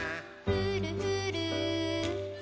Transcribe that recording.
ふるふる。